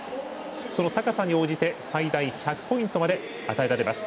その高さに応じて最大１００ポイントまで与えられます。